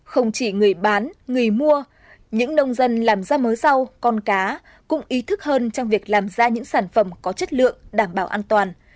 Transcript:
không chỉ người bán người mua những nông dân làm ra mớ rau con cá cũng ý thức hơn trong việc làm ra những sản phẩm có chất lượng đảm bảo an toàn